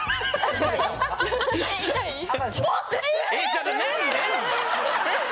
ちょっと何何？